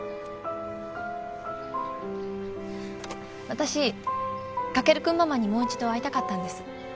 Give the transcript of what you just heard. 私翔君ママにもう一度会いたかったんです。